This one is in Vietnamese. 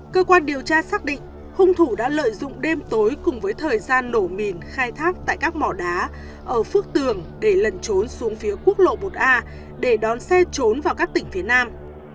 cơ quan điều tra xác định hung thủ đã lợi dụng đêm tối cùng với thời gian nổ mìn khai thác tại các mỏ đá ở phước tường để lần trốn xuống phía quốc lộ một a để đón xe trốn vào các tỉnh phía nam